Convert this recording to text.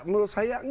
menurut saya enggak